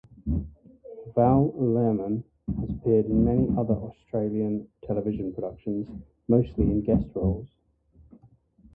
Val Lehman has appeared in many other Australian television productions, mostly in guest roles.